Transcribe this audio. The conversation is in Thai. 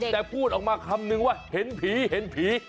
แต่พูดออกมาคำนึงว่าเห็นผีเห็นผี